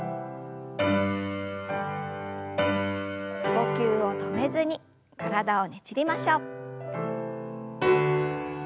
呼吸を止めずに体をねじりましょう。